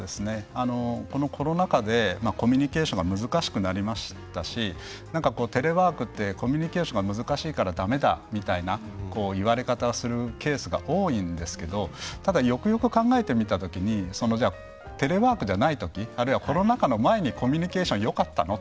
このコロナ禍でコミュニケーションが難しくなりましたしテレワークってコミュニケーションが難しいからだめだ、みたいな言われ方をするケースが多いんですけれどもただ、よくよく考えてみた時にテレワークじゃない時あるいはコロナ禍の前にコミュニケーションよかったの？